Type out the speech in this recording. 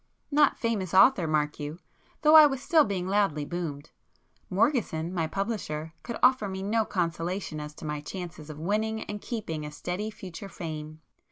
Not 'famous author' mark you!—though I was still being loudly 'boomed.' Morgeson, my [p 212] publisher, could offer me no consolation as to my chances of winning and keeping a steady future fame.